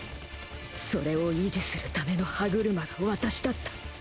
それを維持する為の歯車が私だった